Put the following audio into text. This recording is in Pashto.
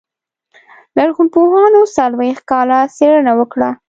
لرغونپوهانو څلوېښت کاله څېړنه وکړه.